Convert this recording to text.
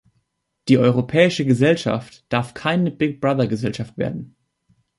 Die europäische Gesellschaft darf keine "Big-Brother"Gesellschaft werden.